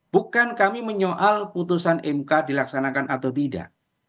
bukan kami menyoal putusan mk dilaksanakan atau tidak